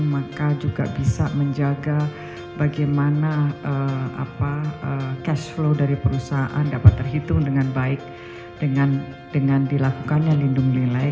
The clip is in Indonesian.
maka juga bisa menjaga bagaimana cash flow dari perusahaan dapat terhitung dengan baik dengan dilakukannya lindung nilai